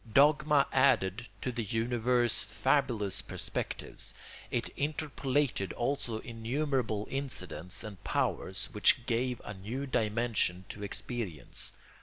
Dogma added to the universe fabulous perspectives; it interpolated also innumerable incidents and powers which gave a new dimension to experience.